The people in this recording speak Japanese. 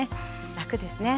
楽ですね。